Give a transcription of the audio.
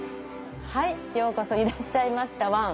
はいようこそいらっしゃいましたワン。